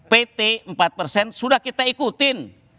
pt empat persen sudah kita ikutin